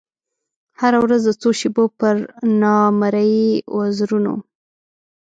هره ورځ د څو شېبو پر نامریي وزرونو